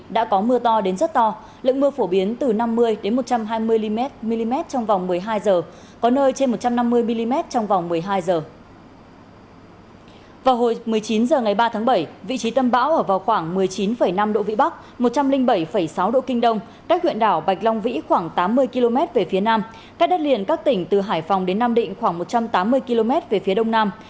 từ một mươi chín h ngày ba tháng bảy vị trí tâm bão ở vào khoảng một mươi chín năm độ vĩ bắc một trăm linh bảy sáu độ kinh đông các huyện đảo bạch long vĩ khoảng tám mươi km về phía nam các đất liền các tỉnh từ hải phòng đến nam định khoảng một trăm tám mươi km về phía đông nam